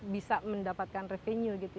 bisa mendapatkan revenue